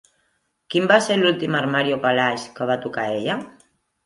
Quin va ser l'últim armari o calaix que va tocar ella?